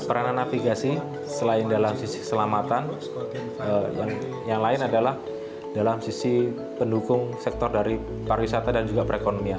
peranan navigasi selain dalam sisi selamatan yang lain adalah dalam sisi pendukung sektor dari pariwisata dan juga perekonomian